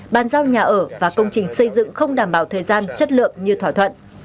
bàn giao nhà ở và công trình xây dựng không đảm bảo thời gian chất lượng như thỏa thuận